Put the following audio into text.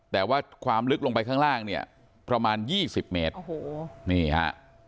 แต่ว่าความลึกลงไปข้างล่างเนี่ยประมาณยี่สิบเมตรโอ้โหนี่ฮะ